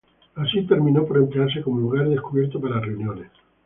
Así, terminó por emplearse como lugar descubierto para reuniones.